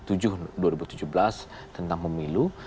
undang undang tujuh puluh enam tentang pemilu